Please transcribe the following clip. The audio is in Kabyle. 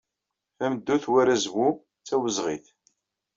Tameddurt war azwu d tawezɣit.